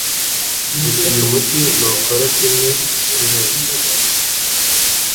gusa uyu muti ntukora kimwe kuri bose.